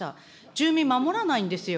住民守らないんですよ。